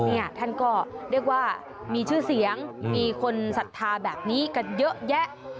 ท่านก็เรียกว่ามีชื่อเสียงมีคนศรัทธาแบบนี้กันเยอะแยะ